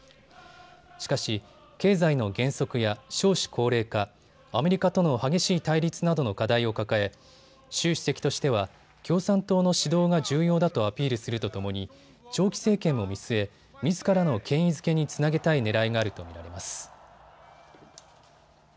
しかし、経済の減速や少子高齢化、アメリカとの激しい対立などの課題を抱え習主席としては共産党の指導が重要だとアピールするとともに長期政権も見据えみずからの権威づけにつなげたいねらいがあると見られます。